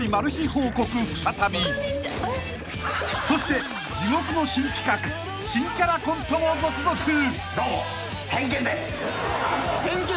［そして地獄の新企画新キャラコントも続々！］